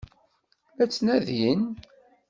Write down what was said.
La t-ttnadin?